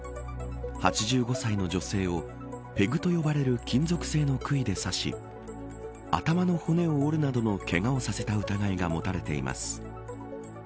８５歳の女性をペグと呼ばれる金属製の杭で刺し頭の骨を折るなどのけがをさせた疑いが持たれています。